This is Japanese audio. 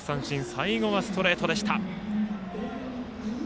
最後はストレートでした。